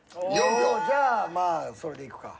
じゃあまあそれでいくか。